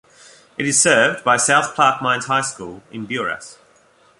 It is served by South Plaquemines High School in Buras.